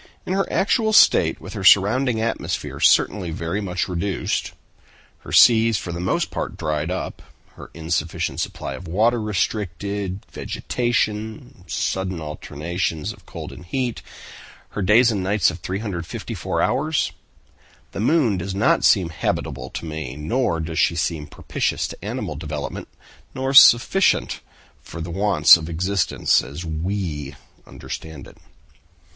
"In her actual state, with her surrounding atmosphere certainly very much reduced, her seas for the most part dried up, her insufficient supply of water restricted, vegetation, sudden alternations of cold and heat, her days and nights of 354 hours—the moon does not seem habitable to me, nor does she seem propitious to animal development, nor sufficient for the wants of existence as we understand it."